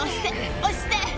押して！